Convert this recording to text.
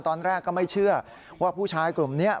ตอนแรกก็ไม่เชื่อว่าผู้ชายกลุ่มนี้